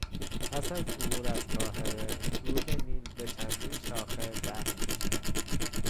پس از عبور از قاهره رود نیل به چندین شاخه بخش میشود.